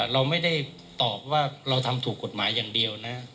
เราไม่ได้ตอบว่าเราทำถูกกฎหมายอย่างเดียวนะ